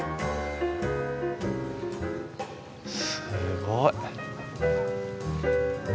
すごい。